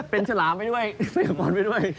เป็นฉลามไปด้วยเป็นฝนไปด้วย